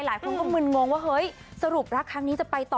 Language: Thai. หลายคนก็มึนงงว่าเฮ้ยสรุปรักครั้งนี้จะไปต่อ